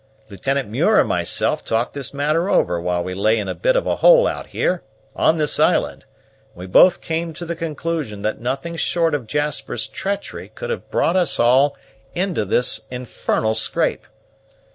Lieutenant Muir and myself talked this matter over while we lay in a bit of a hole out here, on this island; and we both came to the conclusion that nothing short of Jasper's treachery could have brought us all into this infernal scrape.